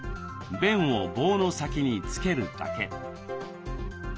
便を棒の先に付けるだけ。